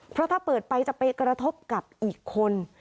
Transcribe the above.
เพราะถ้าเปิดไปจะไปกระทบกับอีกคน